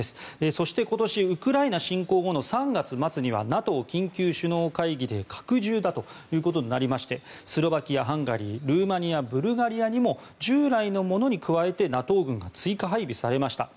そして、今年ウクライナ侵攻後の３月末にはＮＡＴＯ緊急首脳会議で拡充だということになりましてスロバキア、ハンガリールーマニア、ブルガリアにも従来のものに加えてＮＡＴＯ軍が追加配備されました。